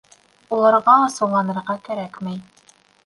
Уларға асыуланырға кәрәкмәй.